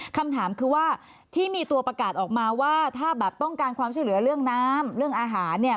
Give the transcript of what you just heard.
คำถามคือว่าที่มีตัวประกาศออกมาว่าถ้าแบบต้องการความช่วยเหลือเรื่องน้ำเรื่องอาหารเนี่ย